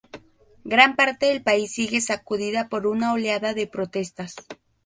gran parte del país sigue sacudida por una oleada de protestas